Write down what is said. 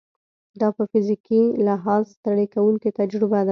دا په فزیکي لحاظ ستړې کوونکې تجربه ده.